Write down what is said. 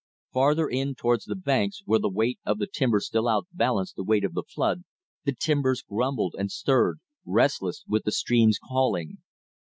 Farther in towards the banks where the weight of timber still outbalanced the weight of the flood, the tiers grumbled and stirred, restless with the stream's calling.